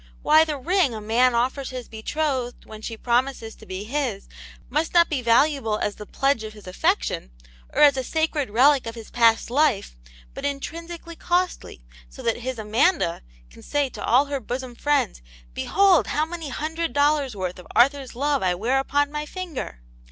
Why, the ring a man offers his betrothed when she promises to be his must not be valuable as the pledge of his affection, or as a sacred relic of his past life, but intrinsically costly, so that his Amanda can say to all her bosom friends, * Behold how many hundred dollars* worth of Arthur's love I wear upon my finger